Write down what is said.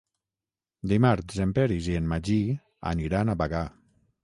Dimarts en Peris i en Magí aniran a Bagà.